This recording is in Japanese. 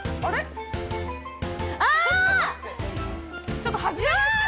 ちょっとはじめまして。